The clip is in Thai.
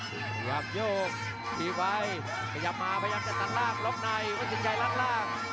พยาบโยกทีบไว้พยาบมาพยาบกันตัดล่างล๊อคไนมันจะใช้ล่างล่าง